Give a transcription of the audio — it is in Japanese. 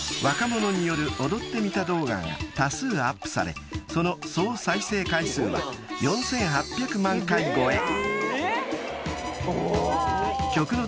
［若者による踊ってみた動画が多数アップされその総再生回数は４，８００万回超え］